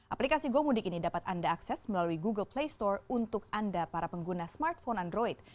aplikasi gomudik ini dapat anda akses melalui google play store untuk anda para pengguna smartphone android